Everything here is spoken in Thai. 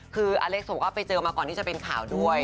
คืออเล็กส่งก็ไปเจอมาก่อนที่จะเป็นข่าวด้วย